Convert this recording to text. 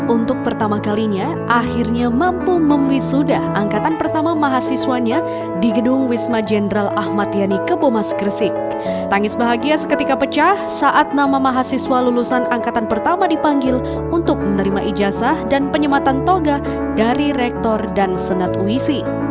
untuk menerima ijazah dan penyematan toga dari rektor dan senat uisi